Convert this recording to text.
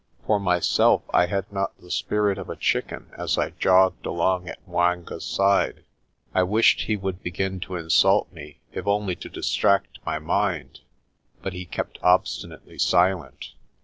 For myself, I had not the spirit of a chicken as I jogged along at 'Mwanga's side. I wished he would begin to insult me, if only to distract my mind, but he kept obstinately silent.